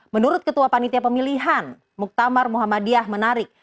menurut ketua panitia pemilihan muktamar muhammadiyah menarik